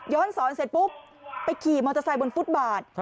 สอนเสร็จปุ๊บไปขี่มอเตอร์ไซค์บนฟุตบาท